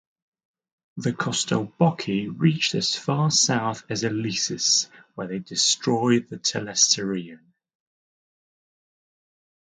The Costoboci reached as far south as Eleusis, where they destroyed the Telesterion.